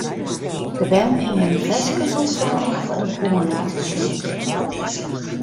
De bern hiene ferskes oefene om foar de koaning te sjongen.